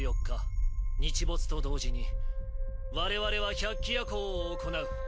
日没と同時に我々は百鬼夜行を行う。